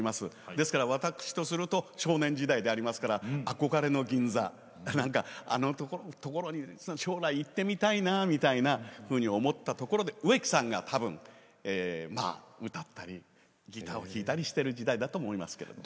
ですから、私とすると少年時代でありますから憧れの銀座か何かあのところに将来、行ってみたいなって思ったところで植木さんがたぶん歌ったり、ギターを弾いたりしていた時代だと思いますけども。